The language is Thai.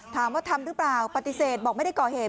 ทำหรือเปล่าปฏิเสธบอกไม่ได้ก่อเหตุ